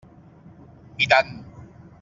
I tant!